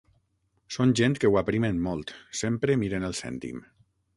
Són gent que ho aprimen molt: sempre miren el cèntim.